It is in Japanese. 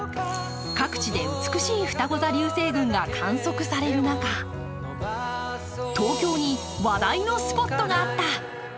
各地で美しいふたご座流星群が観測される中東京の話題のスポットがあった。